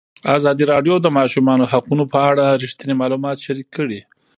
ازادي راډیو د د ماشومانو حقونه په اړه رښتیني معلومات شریک کړي.